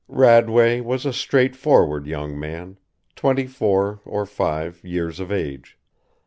Radway was a straight forward young man, twenty four or five years of age.